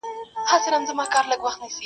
يوه مياشت وروسته هم خلک د هغې کيسه يادوي.